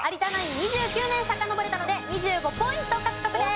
２９年さかのぼれたので２５ポイント獲得です。